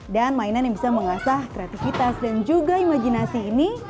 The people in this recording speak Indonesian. dan mainan yang bisa mengasah kreativitas dan juga imajinasi ini